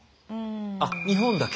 あ日本だけ。